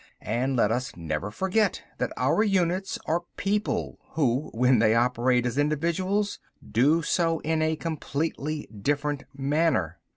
And let us never forget that our units are people who, when they operate as individuals, do so in a completely different manner.